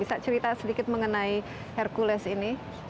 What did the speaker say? bisa cerita sedikit mengenai hercules ini